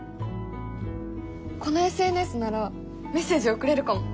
このＳＮＳならメッセージ送れるかも！